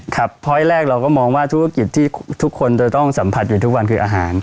ครับเพราะไอ้แรกเราก็มองว่าธุรกิจที่ทุกคนจะต้องสัมผัสอยู่ทุกวันคืออาหาร